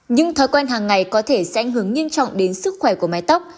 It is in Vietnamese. những thói quen hàng ngày có thể sẽ ảnh hưởng nghiêm trọng đến sức khỏe của mái tóc